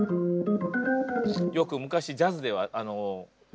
よく昔ジャズでは。